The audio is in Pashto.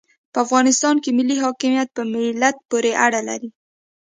په افغانستان کې ملي حاکمیت په ملت پوري اړه لري.